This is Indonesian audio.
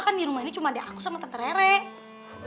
kan di rumah ini cuma ada aku sama tante rerek